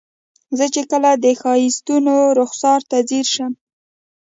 زه چې کله د ښایستونو رخسار ته ځیر شم.